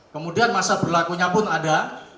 kemudian masa berlakunya pun ada